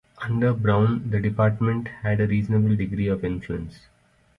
Under Brown the Department had a reasonable degree of influence.